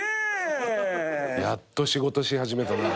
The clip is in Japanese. やっと仕事し始めたな。